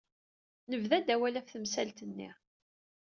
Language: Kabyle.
Nebda-d awal ɣef temsalt-nni.